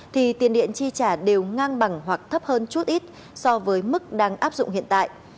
thì tiền điện chi trả đều ngang bằng hoặc thấp hơn chút ít so với mức đang áp dụng hiện tại